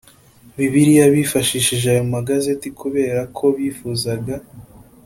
bibiliya bifashishije ayo magazeti kubera ko bifuzaga